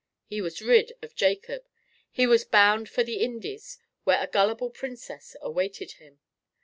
He was rid of Jacob—he was bound for the Indies, where a gullible princess awaited him.